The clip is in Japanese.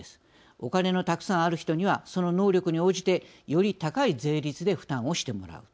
お金のたくさんある人にはその能力に応じてより高い税率で負担をしてもらう。